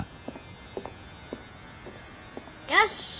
よし！